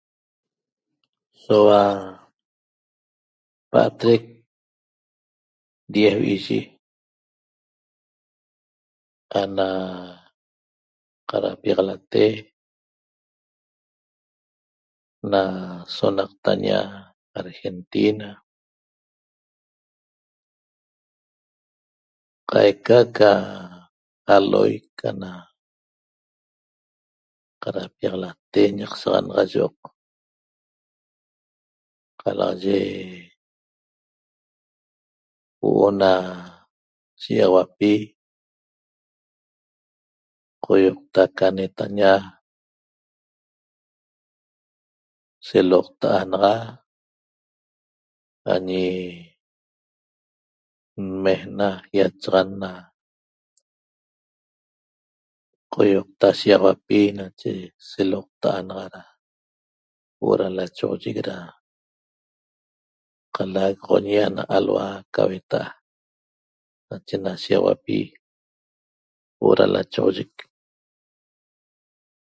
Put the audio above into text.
Soua paatrec diez vi'iyi ana qarapiaxalate na sonaqtaña Argentina qaica ca aloic ana qarapiaxalate ñaq saxanaxa yo'oq qalaxaye huo'o na shigaxauapi qoioqta ca netaña seloqta'a naxa añi nmeena iachaxan na qoioqta shigaxauapi nache seloqta'a naxa ra huo'o na lachoxoyec ra qailagoñi na alhua ca hueta'a nache na shigaxauapi huo'o ra lachoxoyec